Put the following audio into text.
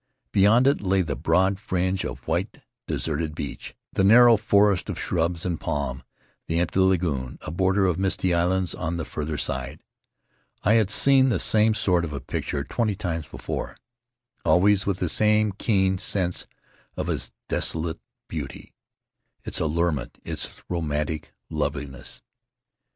Bevond it lav the broad fringe of white, deserted beach, Faery Lands of the South Seas the narrow forest of shrub and palm, the empty lagoon, a border of mistv islands on the farther side. I had seen the same sort of a picture twenty times before, always with the same keen sense of its desolate beauty, its allurement, its romantic loveliness.